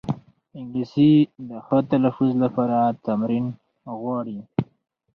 انګلیسي د ښه تلفظ لپاره تمرین غواړي